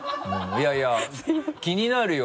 いやいや気になるよ